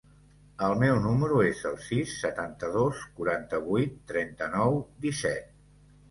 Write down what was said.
El meu número es el sis, setanta-dos, quaranta-vuit, trenta-nou, disset.